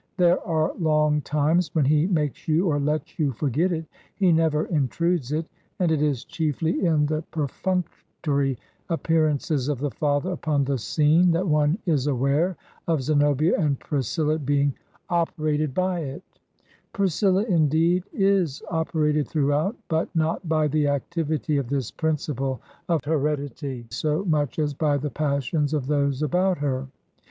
There are long times when he makes you or lets you forget it; he never intrudes it; and it is chiefly in the 176 Digitized by VjOOQIC HAWTHORNE'S ZENOBIA AND PRISCILLA perfimctory appearances of the father upon the scene that one is aware of Zenobia and Priscilla being operated by it. Priscilla, indeed, is operated throughout, but not by the activity of this principle of heredity so much as by the passions of those about her.